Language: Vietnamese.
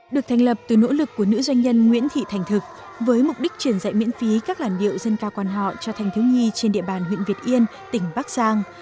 được thành lập từ nỗ lực của nữ doanh nhân nguyễn thị thành thực với mục đích truyền dạy miễn phí các làn điệu dân ca quan họ cho thanh thiếu nhi trên địa bàn huyện việt yên tỉnh bắc giang